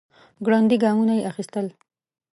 ګړندي ګامونه يې اخيستل.